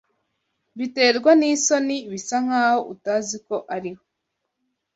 Biterwa n'isoni bisa nkaho utazi ko ariho